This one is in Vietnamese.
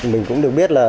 mình cũng được biết là